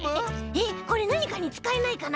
えっこれなにかにつかえないかな？